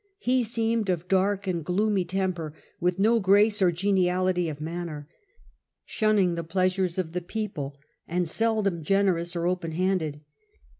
He seemed of dark and gloomy temper, with no grace or geniality of manner, shunning the pleasures of the people, and seldom generous or open handed.